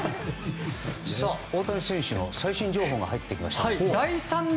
大谷選手の最新情報が入ってきました。